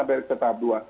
berproses tahap dua